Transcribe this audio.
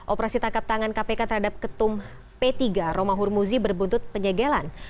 operasi tangkap tangan kpk terhadap ketum p tiga roma hurmuzi berbuntut penyegelan